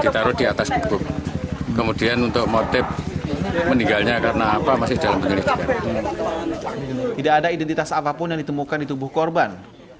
tidak ada identitas apapun yang ditemukan di tubuh korban